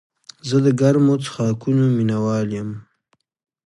زه د ګرمو څښاکونو مینه وال یم.